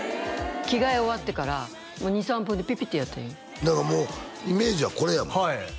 着替え終わってからもう２３分でピピッてやったらだからもうイメージはこれやもんはい